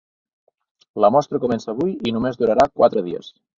La mostra comença avui i només durarà quatre dies.